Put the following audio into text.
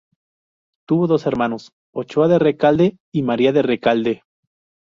Tuvo dos hermanos, Ochoa de Recalde y María de Recalde.